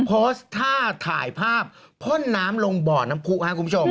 โพสต์ท่าถ่ายภาพพ่นน้ำลงบ่อน้ำผู้ครับคุณผู้ชม